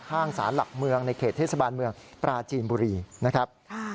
ข้างสารหลักเมืองในเขตเทศบาลเมืองปราจีนบุรีนะครับ